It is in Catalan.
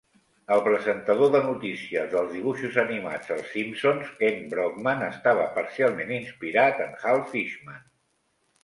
El presentador de noticies dels dibuixos animats "Els Simpsons", Kent Brockman, estava parcialment inspirat en Hal Fishman.